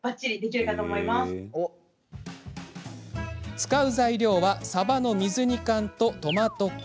使う材料はさばの水煮缶とトマト缶。